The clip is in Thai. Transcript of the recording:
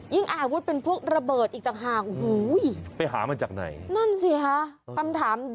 ยิ่งอาวุธเป็นพวกระเบิดอีกจังหาก